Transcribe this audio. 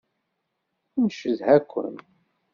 Ncedha-ken.